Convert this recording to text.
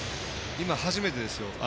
今、初めてですよ。